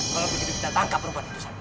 kalau begitu kita tangkap perempuan itu saja